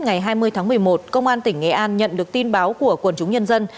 ngày hai mươi tháng một mươi một công an tỉnh nghệ an nhận được tin báo của quần chúng nhân dân